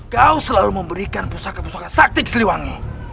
kau selalu memberikan pusaka pusaka sakti ke siliwangi